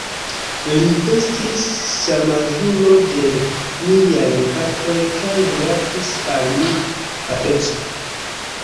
Li estis samaĝulo de miaj gepatroj kaj rilatis al mi patrece.